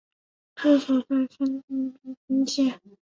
治所在汾阴县。